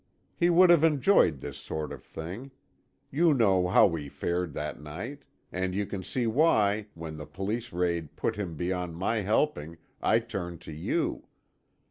He would have enjoyed this sort of thing. You know how we fared that night. And you can see why, when the Police raid put him beyond my helping, I turned to you.